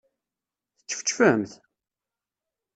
Teččefčfemt?